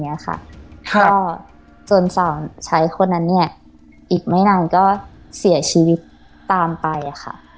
เนี้ยค่ะค่ะก็ส่วนสาวชัยคนนั้นเนี้ยอีกไม่นานก็เสียชีวิตตามไปอะค่ะ